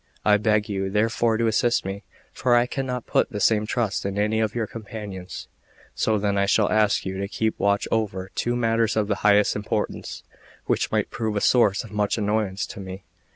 I beg you therefore to assist me, for I cannot put the same trust in any of your companions: so then I shall ask you to keep watch over two matters of the highest importance, which might prove a source of much annoyance to me.